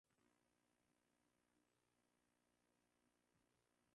huku kukiwa inaeleweka dhahiri